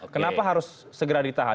kenapa harus segera ditahan